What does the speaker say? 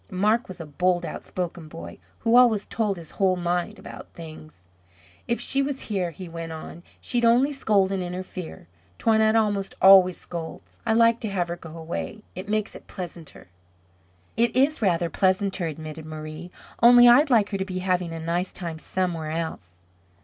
Marc was a bold, outspoken boy, who always told his whole mind about things. "If she were here," he went on," she'd only scold and interfere. Toinette almost always scolds. I like to have her go away. It makes it pleasanter." "It is rather pleasanter," admitted Marie, "only I'd like her to be having a nice time somewhere else."